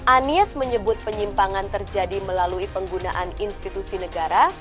anies menyebut penyimpangan terjadi melalui penggunaan institusi negara